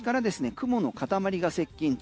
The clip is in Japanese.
雲の塊が接近中。